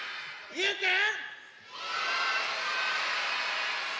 ゆうくん！